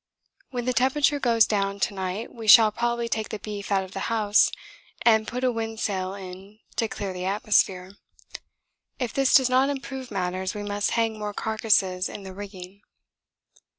When the temperature goes down to night we shall probably take the beef out of the house and put a wind sail in to clear the atmosphere. If this does not improve matters we must hang more carcasses in the rigging.